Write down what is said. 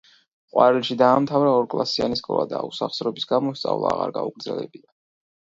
ყვარელში დაამთავრა ორკლასიანი სკოლა და უსახსრობის გამო სწავლა აღარ გაუგრძელებია.